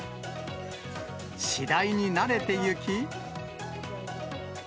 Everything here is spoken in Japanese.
次第に慣れてゆき。